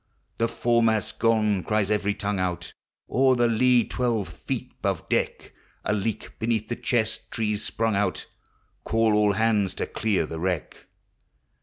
The foremast 's gone, cries every tongue out, O'er the lee twelve feet 'hove deck; A leak beneath the chest tree s sprung out, Call all hands to clear the wreck.